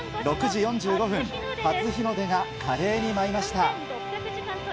６時４５分、初日の出が華麗に舞いました。